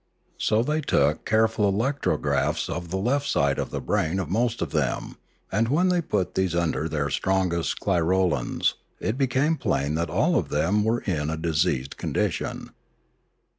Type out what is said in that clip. So they took careful electrographs of the left side of the brain of most of them, and when they put these under their strongest clirolans, it became plain that all of them were in a diseased condition.